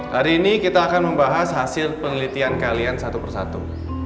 hari ini kita akan membahas hasil penelitian kalian satu persatu